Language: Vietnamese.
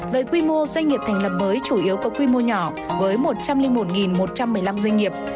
với quy mô doanh nghiệp thành lập mới chủ yếu có quy mô nhỏ với một trăm linh một một trăm một mươi năm doanh nghiệp